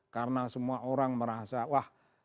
karena semua orang merasa wah